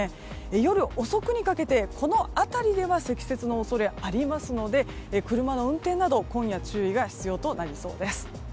夜遅くにかけて、この辺りでは積雪の恐れありますので車の運転など今夜、注意が必要となりそうです。